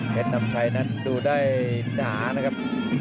นำชัยนั้นดูได้หนานะครับ